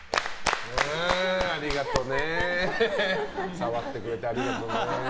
触ってくれてありがとね。